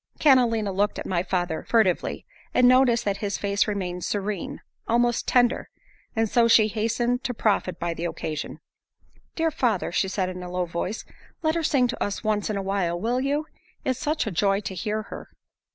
Catalina looked at my father furtively, and noticed that his face remained serene, almost tender, and so she hastened to profit by the occasion. "Dear father," she said in a low voice, "Let her sing to us once in a while; will you? It's such a joy to hear her."